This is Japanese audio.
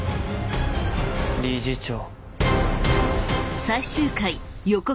理事長。